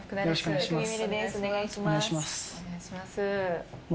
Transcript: お願いします。